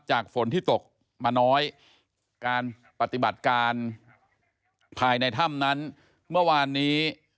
ฝนที่ตกมาน้อยการปฏิบัติการภายในถ้ำนั้นเมื่อวานนี้